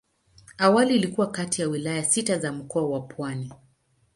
Awali ilikuwa kati ya wilaya sita za Mkoa wa Pwani.